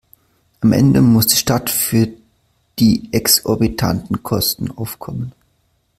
Am Ende muss die Stadt für die exorbitanten Kosten aufkommen.